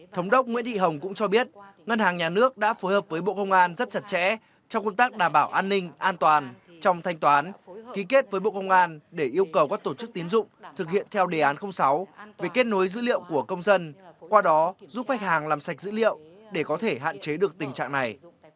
thống đốc nguyễn thị hồng cũng cho biết ngân hàng nhà nước đã phối hợp với bộ công an rất chặt chẽ trong công tác đảm bảo an ninh an toàn trong thanh toán ký kết với bộ công an để yêu cầu các tổ chức tiến dụng thực hiện theo đề án sáu về kết nối dữ liệu của công dân qua đó giúp khách hàng làm sạch dữ liệu để có thể hạn chế được tình trạng này